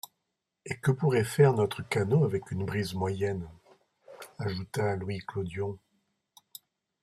Et que pourrait faire notre canot avec une brise moyenne ?… ajouta Louis Clodion.